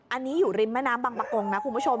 อันนี้อยู่ริมแม่น้ำบังปะกงนะคุณผู้ชม